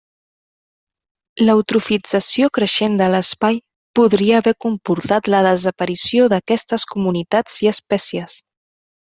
L'eutrofització creixent de l'espai podria haver comportat la desaparició d'aquestes comunitats i espècies.